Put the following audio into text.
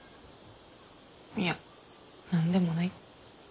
いや何でもない。